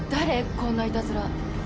こんないたずら。